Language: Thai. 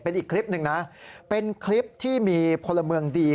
เป็นอีกคลิปหนึ่งนะเป็นคลิปที่มีพลเมืองดี